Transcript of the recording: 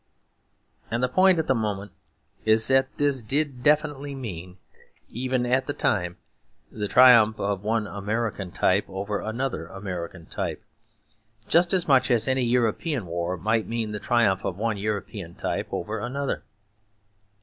And the point at the moment is that this did definitely mean, even at the time, the triumph of one American type over another American type; just as much as any European war might mean the triumph of one European type over another.